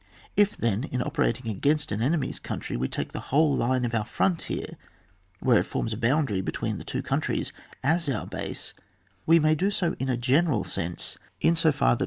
If, then, in operating against an enemy's country we take the whole line of our own frontier, where it forms a boundaiy be tween thetwocountriesasoxir base, we may do so in a general sense, in so far that we CHAP.'